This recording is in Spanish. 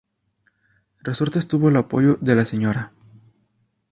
Resortes tuvo el apoyo de la Sra.